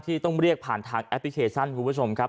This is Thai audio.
ต้องเรียกผ่านทางแอปพลิเคชันคุณผู้ชมครับ